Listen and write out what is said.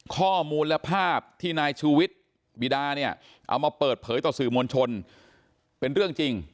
ข้อมูลและภาพที่นายชูวิทย์บิดาเนี่ยเอามาเปิดเผยต่อสื่อมวลชนเป็นเรื่องจริง